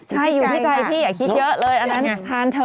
ใช่อยู่ที่ใจพี่คิดเลยทานเถอะ